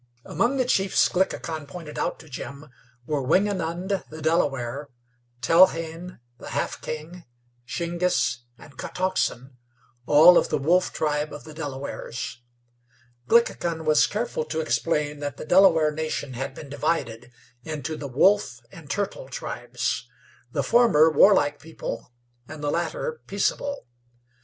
Among the chiefs Glickhican pointed out to Jim were Wingenund, the Delaware; Tellane, the Half King; Shingiss and Kotoxen all of the Wolf tribe of the Delawares. Glickhican was careful to explain that the Delaware nation had been divided into the Wolf and Turtle tribes, the former warlike people, and the latter peaceable.